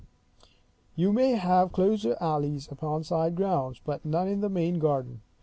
You may have closer alleys, upon the side grounds, but none in the main garden.